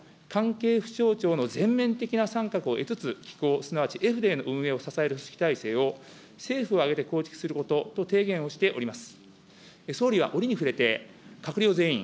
与党から政府に対しても、関係府省庁の全面的な参画を得つつ、機構、すなわちエフレイの運用を支える組織体制を、政府を挙げて構築をすることと、提言をしております。